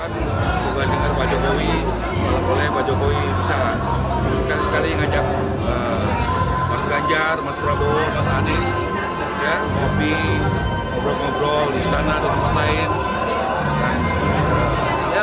di beberapa kabar di istana dan tempat lain